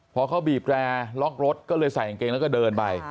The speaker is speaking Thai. พอเขาบีบแรร์ล็อกรถก็เลยใส่กางเกงแล้วก็เดินไป